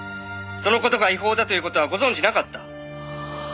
「その事が違法だという事はご存じなかった？」